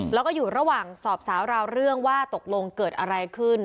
แล้วก็อยู่ระหว่างสอบสาวราวเรื่องว่าตกลงเกิดอะไรขึ้น